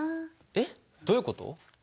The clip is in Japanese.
えっどういうこと？